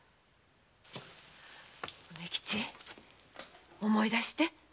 梅吉思い出して。